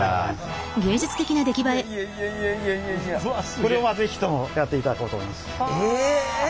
これは是非ともやっていただこうと思います。